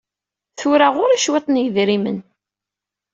Tura ɣur-i cwiṭ n yidrimen.